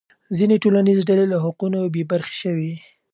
ځینې ټولنیزې ډلې له حقونو بې برخې شوې.